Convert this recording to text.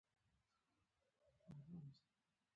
هېواد د خاورې برکت دی.